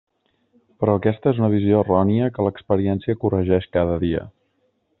Però aquesta és una visió errònia que l'experiència corregeix cada dia.